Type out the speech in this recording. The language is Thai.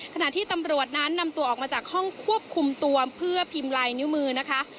ขณะที่ตำรวจนั้นนำตัวออกมาจากห้องควบคุมตัวเพื่อพิมพ์ลายนิ้วมือนะคะ